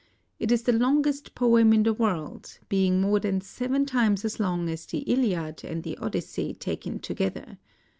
It is the longest poem in the world, being more than seven times as long as the "Iliad" and the "Odyssey," taken together.